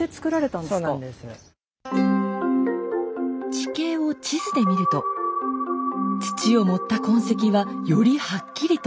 地形を地図で見ると土を盛った痕跡はよりはっきりと！